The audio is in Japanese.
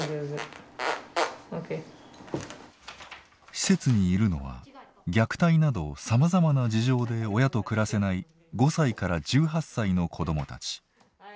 施設にいるのは虐待などさまざまな事情で親と暮らせない５歳から１８歳の子どもたち。